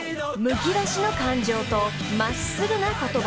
［むき出しの感情と真っすぐな言葉］